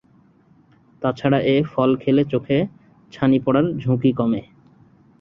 তা ছাড়া এ ফল খেলে চোখে ছানি পড়ার ঝুঁকি কমে।